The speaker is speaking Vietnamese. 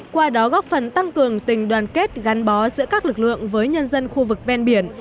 qua đó góp phần tăng cường tình đoàn kết gắn bó giữa các lực lượng với nhân dân khu vực ven biển